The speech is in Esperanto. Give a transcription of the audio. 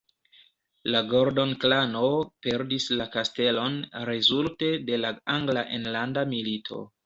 La Gordon-klano perdis la kastelon rezulte de la angla enlanda milito.